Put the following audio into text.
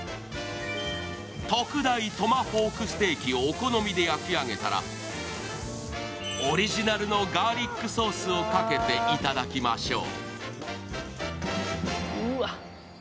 特大トマホークステーキをお好みで焼き上げたら、オリジナルのガーリックソースをかけていただきましょう。